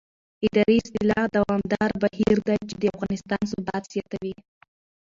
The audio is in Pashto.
اداري اصلاح دوامداره بهیر دی چې د افغانستان ثبات زیاتوي